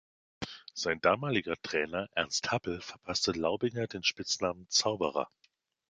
Sein damaliger Trainer Ernst Happel verpasste Laubinger den Spitznamen "Zauberer".